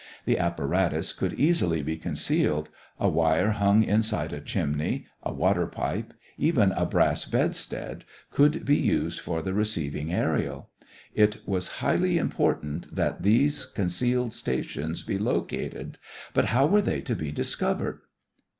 The apparatus could easily be concealed: a wire hung inside a chimney, a water pipe, even a brass bedstead could be used for the receiving aërial. It was highly important that these concealed stations be located, but how were they to be discovered?